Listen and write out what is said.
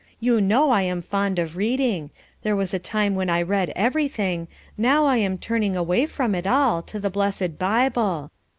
You know I am fond of reading, there was a time when I read everything, now I am turning away from it all, to the blessed Bible.